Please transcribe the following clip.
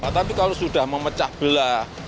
tapi kalau sudah memecah belah